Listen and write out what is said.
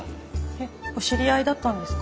えっお知り合いだったんですか？